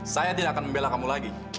saya tidak akan membela kamu lagi